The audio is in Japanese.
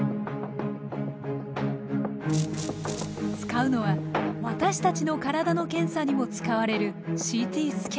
使うのは私たちの体の検査にも使われるＣＴスキャナー。